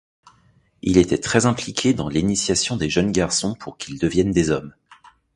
Il était très impliqué dans l'initiation des jeunes garçons pour qu'ils deviennent des hommes.